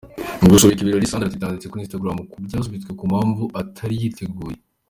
Mu gusubika ibirori, Sandra Teta yanditse kuri Instagram ko ‘byasubitswe ku mpamvu atari yiteguye’.